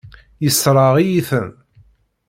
Yessṛeɣ-iyi-ten.